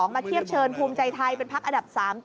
มาเทียบเชิญภูมิใจไทยเป็นพักอันดับ๓๗